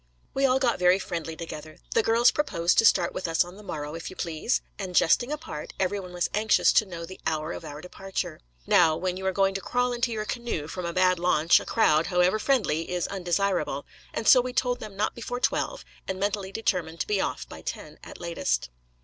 We all got very friendly together. The girls proposed to start with us on the morrow, if you please! And, jesting apart, every one was anxious to know the hour of our departure. Now, when you are going to crawl into your canoe from a bad launch, a crowd, however friendly, is undesirable; and so we told them not before twelve, and mentally determined to be off by ten at latest.